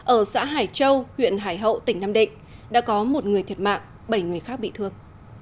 ở xã hải châu huyện hải hậu tỉnh nam định đã có một người thiệt mạng bảy người khác bị thương